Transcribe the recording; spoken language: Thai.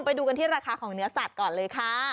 ไปดูกันที่ราคาของเนื้อสัตว์ก่อนเลยค่ะ